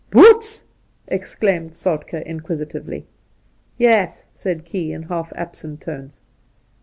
' Boots I' exclaimed Soltk^ inquisitively. ' Yes,' said Key, in half absent tones.